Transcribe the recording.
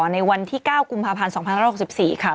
ในวันที่๙กุมภาพรรณ๒๑๖๔